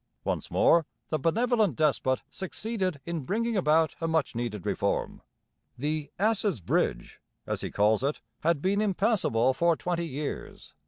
Once more the benevolent despot succeeded in bringing about a much needed reform. The 'ass's bridge,' as he calls it, had been impassable for twenty years.